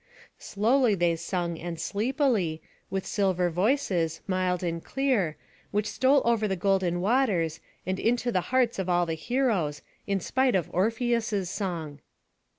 Slowly they sung and sleepily, with silver voices, mild and clear, which stole over the golden waters, and into the hearts of all the heroes, in spite of Orpheus's song.